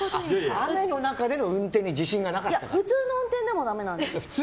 雨の中の運転に普通の運転でもダメなんです。